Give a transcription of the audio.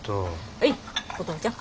はい！